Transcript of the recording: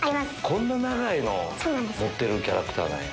こんな長いのを持ってるキャラクターなんや。